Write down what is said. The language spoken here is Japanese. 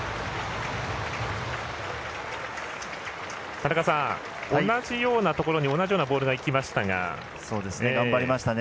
田中さん、同じようなところに同じようなボールが頑張りましたね。